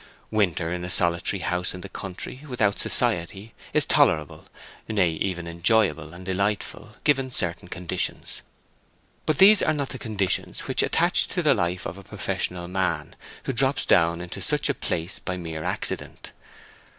Winter in a solitary house in the country, without society, is tolerable, nay, even enjoyable and delightful, given certain conditions, but these are not the conditions which attach to the life of a professional man who drops down into such a place by mere accident.